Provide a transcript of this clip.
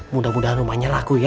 mudah mudahan rumahnya akan berjaya